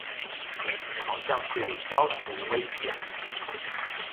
好像是消除威權